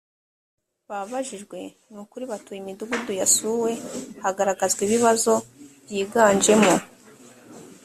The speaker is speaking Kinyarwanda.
babajijwe ni kuri batuye imidugudu yasuwe hagaragazwa ibibazo byiganjemo